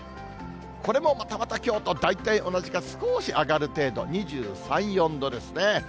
これもまたまたきょうと大体同じか少し上がる程度、２３、４度ですね。